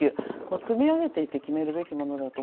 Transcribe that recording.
積み上げていって決めるべきものだと。